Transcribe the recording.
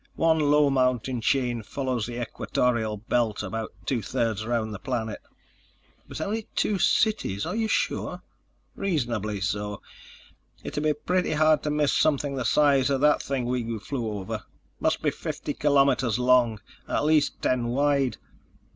One low mountain chain follows the equatorial belt about two thirds around the planet." "But only two cities. Are you sure?" "Reasonably so. It'd be pretty hard to miss something the size of that thing we flew over. It must be fifty kilometers long and at least ten wide.